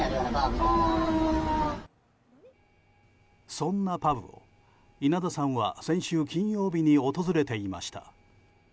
そんなパブを、稲田さんは先週金曜日に訪れていました。